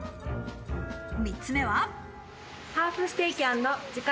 ３つ目は。